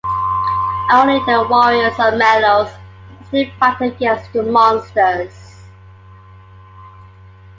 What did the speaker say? Only the "Warriors of Melos" are still fighting against the "Monsters".